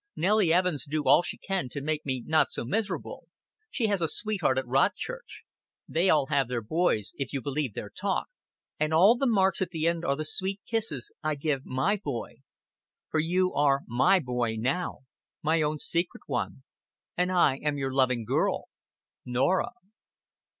Nellie Evans do all she can to make me not so miserable She has a sweetheart at Rodchurch. They all have their boys if you believe their talk. "And all the marks at the end are the sweet kisses I give my boy. For you are my boy now my own secret one, and I am your loving girl "Norah."